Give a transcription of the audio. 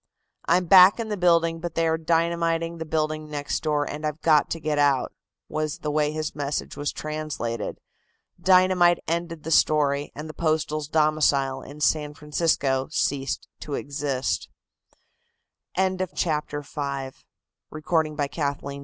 "I'm back in the building, but they are dynamiting the building next door, and I've got to get out," was the way his message was translated. Dynamite ended the story, and the Postal's domicile in San Francisco ceased to exist. CHAPTER VI. Facing Famine and Praying for Relief.